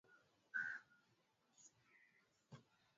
huku tayari zaidi ya watu asilimia sitini